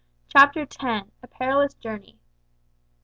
CHAPTER X: A Perilous Journey.